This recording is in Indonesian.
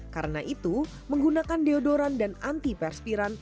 karena itu menggunakan deodoran dan antiperspiran